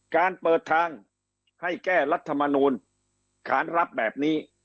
การเปิดทางให้แก้รัฐมนูลขานรับแบบนี้